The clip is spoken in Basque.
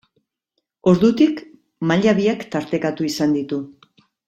Ordutik maila biak tartekatu izan ditu.